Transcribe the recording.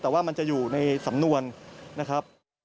แต่ว่ามันจะอยู่ในสำนวนนะครับ